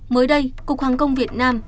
mới đây cục hàng công việt nam